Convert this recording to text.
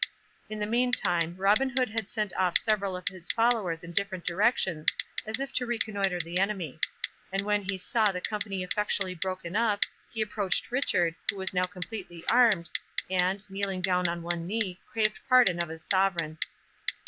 In the meantime, Robin Hood had sent off several of his followers in different directions, as if to reconnoitre the enemy; and when he saw the company effectually broken up, he approached Richard, who was now completely armed, and, kneeling down on one knee, craved pardon of his Sovereign.